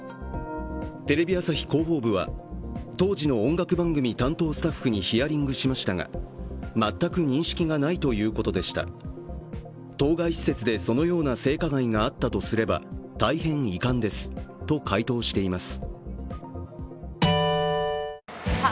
テレビ朝日広報部は、当時の音楽番組担当スタッフにヒアリングしましたが全く認識がないということでした当該施設でそのような性加害があったとすれば大変遺憾ですと回答しています。